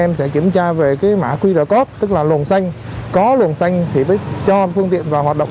em sẽ kiểm tra về cái mã qr code tức là luồng xanh có luồng xanh thì mới cho phương tiện vào hoạt động